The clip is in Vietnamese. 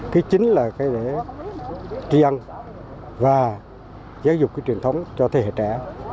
cái chính là để tri ân và giáo dục truyền thống cho thế hệ trẻ